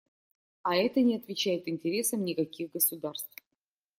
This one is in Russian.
А это не отвечает интересам никаких государств.